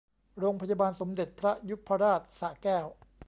โรงพยาบาลสมเด็จพระยุพราชสระแก้ว